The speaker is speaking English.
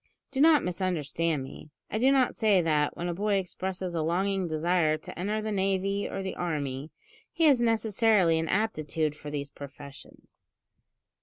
Do not misunderstand me. I do not say that, when a boy expresses a longing desire to enter the navy or the army, he has necessarily an aptitude for these professions.